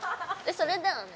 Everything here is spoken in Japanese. それだよね？